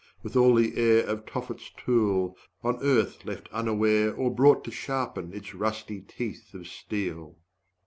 with all the air Of Tophet's tool, on earth left unaware, Or brought to sharpen its rusty teeth of steel.